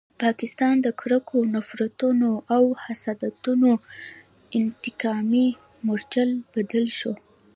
پاکستان د کرکو، نفرتونو او حسادتونو انتقامي مورچل بدل شو.